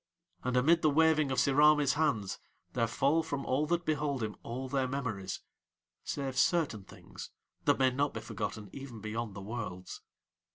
And amid the waving of Sirami's hands there fall from all that behold him all their memories, save certain things that may not be forgotten even beyond the Worlds.